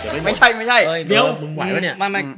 เฮ้ยไม่ใช่เดี๋ยวมึงไหววะเนี่ย